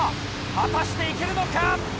果たしていけるのか？